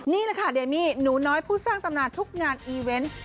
นี่แหละค่ะเดมี่หนูน้อยผู้สร้างตำนานทุกงานอีเวนต์